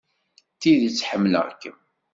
Deg tidet, ḥemmleɣ-kem.